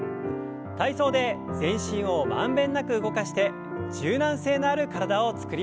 体操で全身を満遍なく動かして柔軟性のある体を作りましょう。